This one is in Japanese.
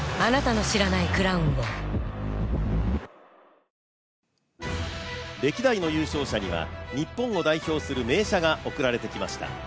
ＪＴ歴代の優勝者には日本を代表する名車が贈られてきました。